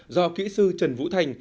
do kỹ sư trần vũ thành